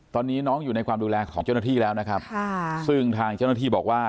ตอนนี้น้องอยู่ในความดูแลของเจ้าหน้าที่แล้วนะครับค่ะซึ่งทางเจ้าหน้าที่บอกว่า